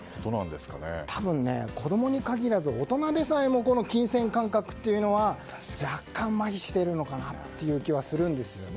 多分、子供に限らず大人でさえも金銭感覚というのは若干、まひしているのかなという気はするんですよね。